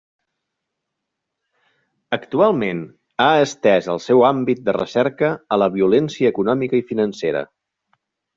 Actualment ha estès el seu àmbit de recerca a la violència econòmica i financera.